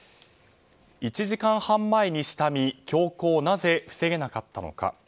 １時間半前に下見凶行なぜ防げなかったのか。